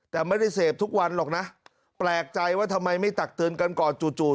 แต่ไม่ได้เสพทุกวันหรอกนะแปลกใจว่าทำไมไม่ตักเตือนกันก่อนจู่